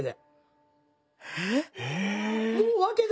えっ。